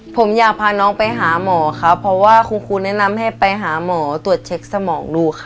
ผมอยากพาน้องไปหาหมอเพราะว่าคุณครูแนะนำไปตรวจเช็คสมองดู